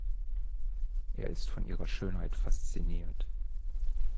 Er ist von ihrer Schönheit fasziniert.